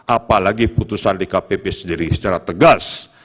apalagi putusan dkpp sendiri secara tegas